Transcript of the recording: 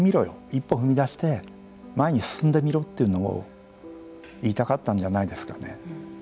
一歩、踏み出して前に進んでみろというのを言いたかったんじゃないですかね。